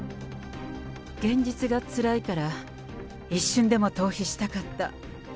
現実がつらいから、一瞬でも逃避したかった。